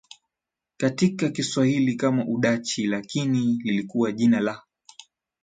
katika Kiswahili kama Udachi lakini lilikuwa jina la